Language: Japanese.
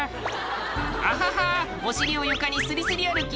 「アハハお尻を床にすりすり歩き」